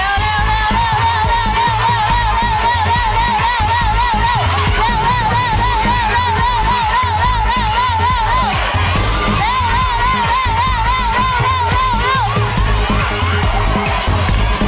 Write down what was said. เร็วเร็วเร็ว